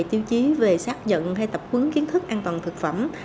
tiêu chí về xác nhận hay tập quấn kiến thức an toàn thực phẩm